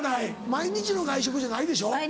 毎日の外食じゃないでしょ？